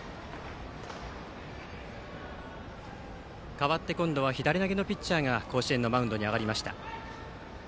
かわって今度は左投げのピッチャーが甲子園のマウンドに上がりました。